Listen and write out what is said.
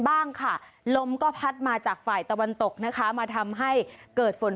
ฮัลโหลฮัลโหลฮัลโหลฮัลโหลฮัลโหล